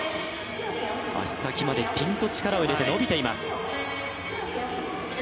足先までピンと力を入れて伸びています。